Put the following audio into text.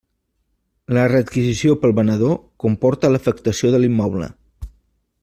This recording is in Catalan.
La readquisició pel venedor comporta l'afectació de l'immoble.